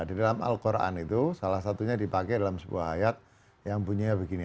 di dalam al quran itu salah satunya dipakai dalam sebuah ayat yang bunyinya begini